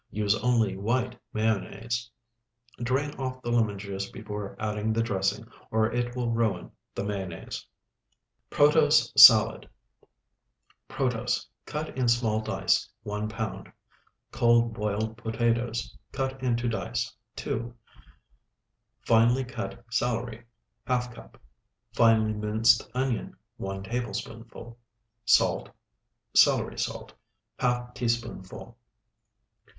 Use only white mayonnaise. Drain off the lemon juice before adding the dressing, or it will ruin the mayonnaise. PROTOSE SALAD Protose, cut in small dice, 1 pound. Cold, boiled potatoes, cut into dice, 2. Finely cut celery, ½ cup. Finely minced onion, 1 tablespoonful. Salt. Celery salt, ½ teaspoonful.